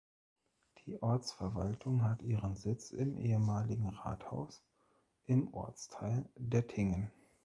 Die Ortsverwaltung hat ihren Sitz im ehemaligen Rathaus im Ortsteil Dettingen.